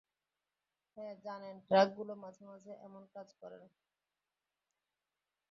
হ্যাঁ, জানেন ট্রাকগুলো মাঝে মাঝে এমন কাজ করে না?